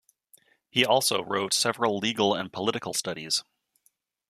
He also wrote several legal and political studies.